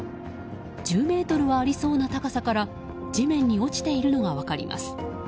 １０ｍはありそうな高さから地面に落ちているのが分かります。